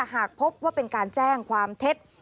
หากพบว่าเป็นการแจ้งความเท็จ